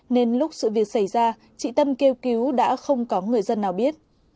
nên lúc sự việc xảy ra chị tâm kêu cứu đã không có người dân nào biết